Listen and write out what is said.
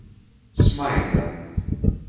Smaida.